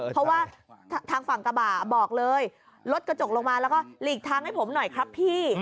เพราะว่าทางฝั่งกระบะบอกเลยรถกระจกลงมาแล้วก็หลีกทางให้ผมหน่อยครับพี่